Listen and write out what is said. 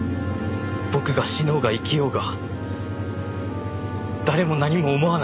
僕が死のうが生きようが誰も何も思わない。